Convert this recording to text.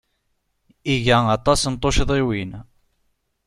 Iga aṭas n tuccḍiwin.